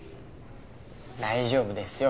大丈夫ですよ。